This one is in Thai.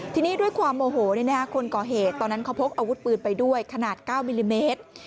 ทีนี้ด้วยความโมโหคนก่อเหตุตอนนั้นเขาพกอาวุธปืนไปด้วยขนาด๙มิลลิเมตร